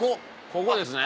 ここですね。